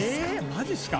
マジっすか？